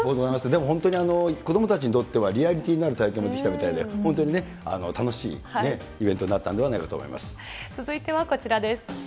でも本当に子どもたちにとってはリアリティーのある体験ができたみたいで、本当にね、楽しいイベントになったんではないかと思い続いてはこちらです。